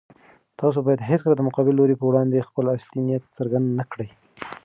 تاسو بايد هيڅکله د مقابل لوري په وړاندې خپل اصلي نيت څرګند نه کړئ.